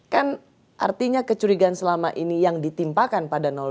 kan artinya kecurigaan selama ini yang ditimpakan pada dua